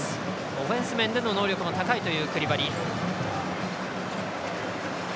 オフェンス面の能力も高いというクリバリ。